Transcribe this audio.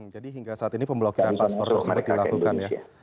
jadi hingga saat ini pemblokiran paspor sudah dilakukan ya